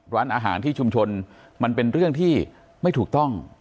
ร้านอาหารที่ชุมชนมันเป็นเรื่องที่ไม่ถูกต้อง